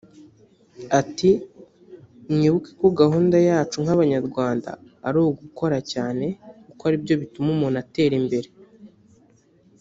Ati “Mwibuke ko gahunda yacu nk’Abanyarwanda ari ugukora cyane kuko ari byo bituma umuntu atera imbere”